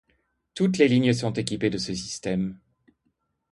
Toutes les lignes sont équipées de ce système.